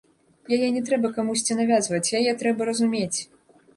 Яе не трэба камусьці навязваць, яе трэба разумець.